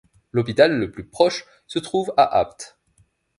L'hôpital le plus proche se trouve à Apt.